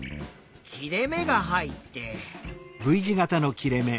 切れ目が入って。